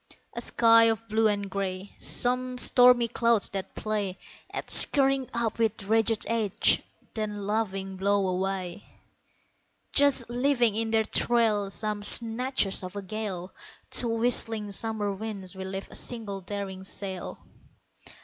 A sky of blue and grey; Some stormy clouds that play At scurrying up with ragged edge, then laughing blow away, Just leaving in their trail Some snatches of a gale; To whistling summer winds we lift a single daring sail.